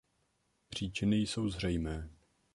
Příčiny jsou zřejmé.